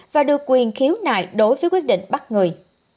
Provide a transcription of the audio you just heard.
và được quyền khiếu nại đối với quyết định bắt người